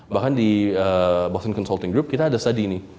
bahkan di boston consulting group kita ada study nih